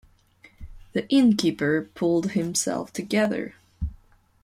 The innkeeper pulled himself together.